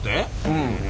うん。